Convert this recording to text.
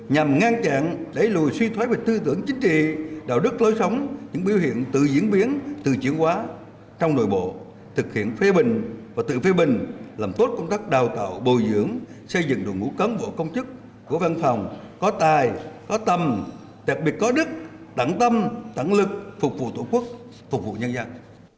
nhằm ngăn chặn đẩy lùi suy thoái về tư tưởng chính trị đạo đức lối sống những biểu hiện tự diễn biến tự chuyển hóa trong nội bộ thực hiện phê bình và tự phê bình làm tốt công tác đào tạo bồi dưỡng xây dựng đồng hữu cấn vụ công chức của văn phòng có tài có tâm đặc biệt có đức tặng tâm tặng lực phục vụ tổ quốc phục vụ nhân dân